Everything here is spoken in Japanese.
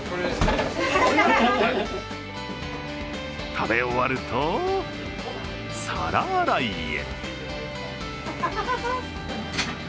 食べ終わると、皿洗いへ。